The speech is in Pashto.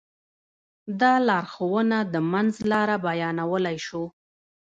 دا لارښوونه د منځ لاره بيانولی شو.